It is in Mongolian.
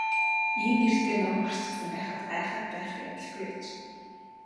Ийм нэртэй ном гарчихсан байхад гайхаад байх явдалгүй аж.